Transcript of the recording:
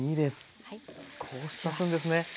少し足すんですね。